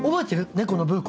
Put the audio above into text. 猫のブー子。